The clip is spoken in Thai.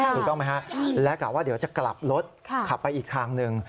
ถูกต้องไหมฮะและกะว่าเดี๋ยวจะกลับรถขับไปอีกทางหนึ่ง